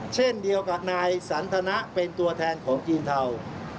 เช่นเดียวกับนายสันทนะเป็นตัวแทนของจีนเทา